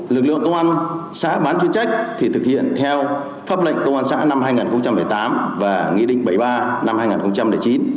lực lượng công an xã bán chuyên trách thì thực hiện theo pháp lệnh công an xã năm hai nghìn một mươi tám và nghị định bảy mươi ba năm hai nghìn chín